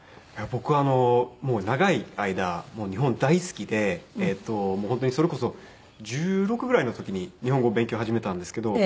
僕もう長い間日本大好きで本当にそれこそ１６ぐらいの時に日本語勉強始めたんですけど。